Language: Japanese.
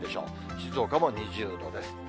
静岡も２０度です。